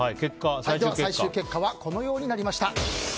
最終結果はこのようになりました。